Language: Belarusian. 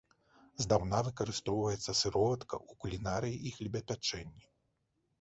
Здаўна выкарыстоўваецца сыроватка ў кулінарыі і хлебапячэнні.